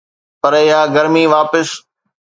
پر اها گرمي واپس